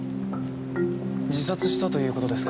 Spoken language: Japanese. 自殺したという事ですか？